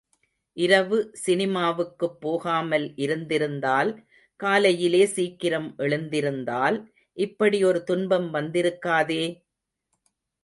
இரவு சினிமாவுக்குப் போகாமல் இருந்திருந்தால், காலையிலே சீக்கிரம் எழுந்திருந்தால், இப்படி ஒரு துன்பம் வந்திருக்காதே!